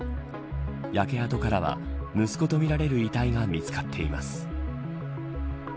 焼け跡からは息子とみられる遺体が見つかっています。